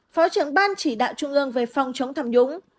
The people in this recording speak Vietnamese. phó trưởng ban chỉ đạo trung ương về phòng chống tham nhũng